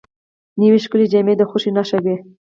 نوې ښکلې جامې د خوښۍ نښه وي